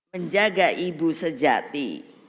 menjaga ibu sejati